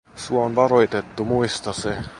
Sua on varoitettu, muista se!"